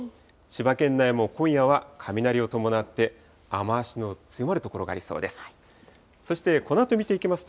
千葉県内も今夜は雷を伴って雨足の強まる所がありそうです。